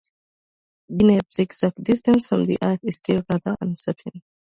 Deneb's exact distance from the Earth is still rather uncertain.